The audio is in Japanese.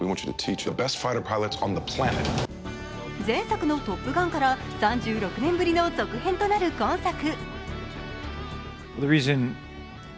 前作の「トップガン」から３６年ぶりの続編となる今作。